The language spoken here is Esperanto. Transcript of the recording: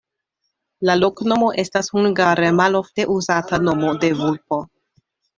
La loknomo estas hungare malofte uzata nomo de vulpo.